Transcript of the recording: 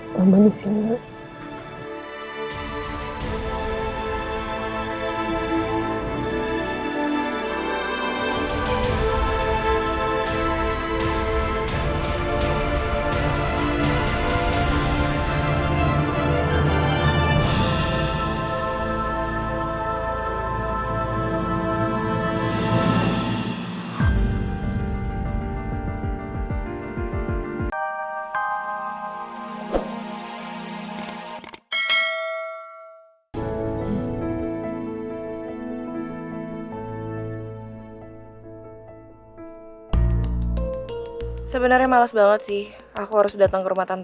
sampai jumpa di video selanjutnya